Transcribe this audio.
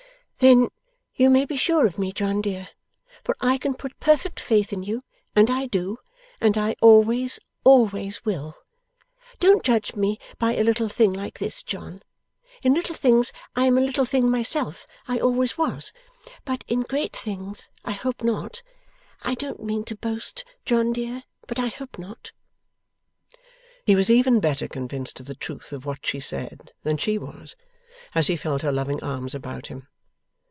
'Then you may be sure of me, John dear, for I can put perfect faith in you, and I do, and I always, always will. Don't judge me by a little thing like this, John. In little things, I am a little thing myself I always was. But in great things, I hope not; I don't mean to boast, John dear, but I hope not!' He was even better convinced of the truth of what she said than she was, as he felt her loving arms about him.